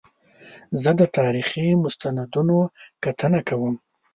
زه د تاریخي مستندونو کتنه کوم.